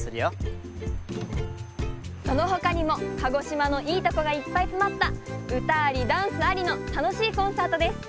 そのほかにも鹿児島のいいとこがいっぱいつまったうたありダンスありのたのしいコンサートです。